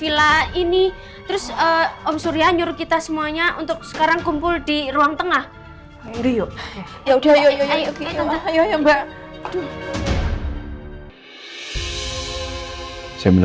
iya tuh kakak udah bobo